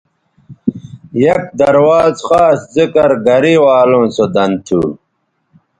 یک درواز خاص ذکر گرےوالوں سو دن تھو